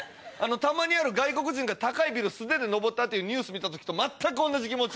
たまに外国人が高いビル素手で登ったってニュース見た時と全く同じ気持ち！